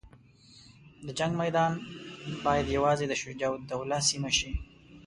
د جنګ میدان باید یوازې د شجاع الدوله سیمه شي.